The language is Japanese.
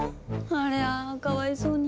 ありゃかわいそうに。